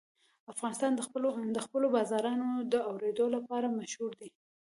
افغانستان د خپلو بارانونو د اورېدو لپاره مشهور دی.